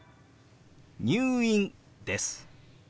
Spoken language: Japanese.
「入院」です。